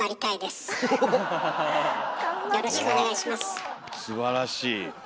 すばらしい。